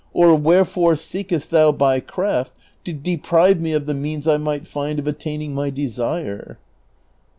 or wherefore seekest thou by craft to depriVe me of the means I might find of at taining my desire